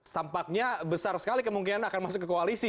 tampaknya besar sekali kemungkinan akan masuk ke koalisi